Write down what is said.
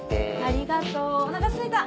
ありがとうお腹すいた！